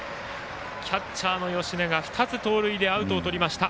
キャッチャーの吉田が２つ、盗塁でアウトをとりました。